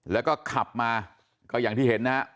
แล้วก็ขับมาก็อย่างที่เห็นนะฮะ